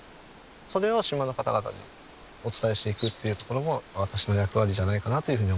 それを島の方々にお伝えしていくっていうところも私の役割じゃないかなというふうに思っています。